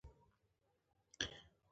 خو ارزانه دی